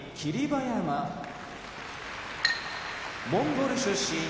馬山モンゴル出身